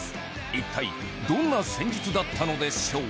一体どんな戦術だったのでしょう？